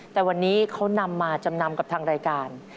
แต่วันนี้เขานำมาจำนำกับทางรายการ